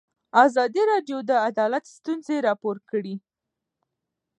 ازادي راډیو د عدالت ستونزې راپور کړي.